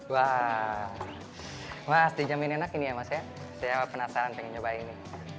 wah mas dijamin enak ini ya mas ya saya penasaran pengen coba ini